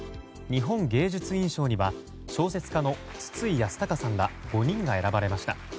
日本芸術院賞には小説家の筒井康隆さんら５人が選ばれました。